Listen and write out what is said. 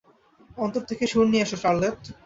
অন্তর থেকে সুর নিয়ে আসো, শার্লেট।